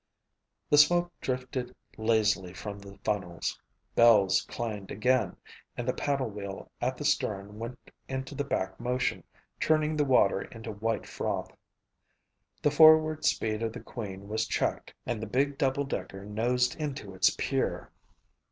The smoke drifted lazily from the funnels. Bells clanged again and the paddle wheel at the stern went into the back motion, churning the water into white froth. The forward speed of the Queen was checked and the big double decker nosed into its pier.